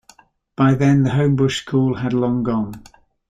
By then the Homebush School had long gone.